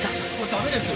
ダメですよ！